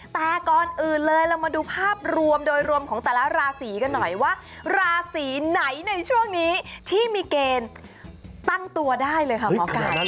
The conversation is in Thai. แต่ก่อนอื่นเลยเรามาดูภาพรวมโดยรวมของแต่ละราศีกันหน่อยว่าราศีไหนในช่วงนี้ที่มีเกณฑ์ตั้งตัวได้เลยค่ะหมอไก่